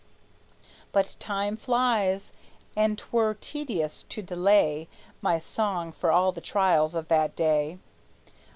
But time flies, and 't were tedious to delay My song for all the trials of that day.